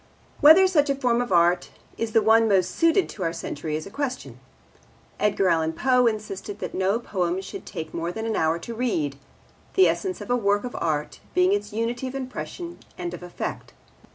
Whether such a form of art is the one most suited to our century is a question. Edgar Allan Poe insisted that no poem should take more than an hour to read, the essence of a work of art being its unity of impression and of effect.